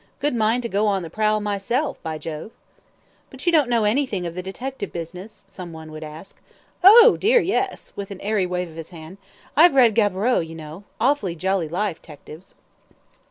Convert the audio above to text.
Good mind to go on the prowl myself, by Jove." "But do you know anything of the detective business?" some one would ask. "Oh, dear yes," with an airy wave of his hand; "I've read Gaboreau, you know; awfully jolly life, 'tectives."